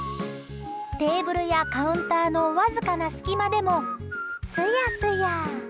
テーブルやカウンターのわずかな隙間でもスヤスヤ。